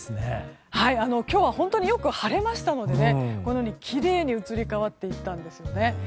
今日は本当によく晴れましたのできれいに移り変わっていったんですね。